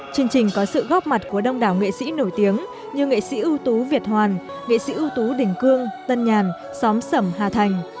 chương trình có sự góp mặt của đông đảo nghệ sĩ nổi tiếng như nghệ sĩ ưu tú việt hoàn nghệ sĩ ưu tú đình cương tân nhàn xóm sẩm hà thành